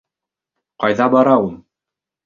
Ҡайҙа бара ул?